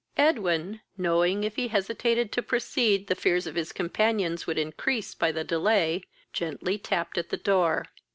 Edwin, knowing, if he hesitated to proceed, the fears of his companions would increase by the delay, gently tapped at the door.